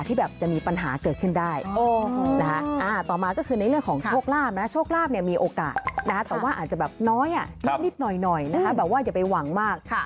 ต่อมาก็คือในเรื่องของโชคลาภโชคลาภมีโอกาสแต่ว่าอาจจะแบบน้อยนิดแบบว่าอย่าไปหวังมาก